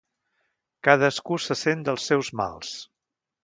Cadascú se sent dels seus mals.